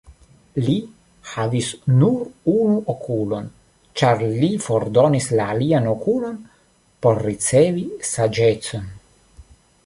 Li havis nur unu okulon, ĉar li fordonis la alian okulon por ricevi saĝecon.